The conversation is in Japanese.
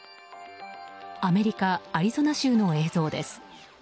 アメリカ・アリゾナ州の映像です。